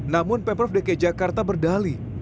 namun pemprov dki jakarta berdali